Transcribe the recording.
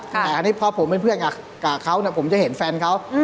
แต่อันนี้พอผมเป็นเพื่อนกับเขาผมจะเห็นแฟนเขา